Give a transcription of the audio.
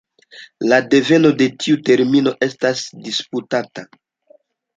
La deveno de tiu termino estas disputata.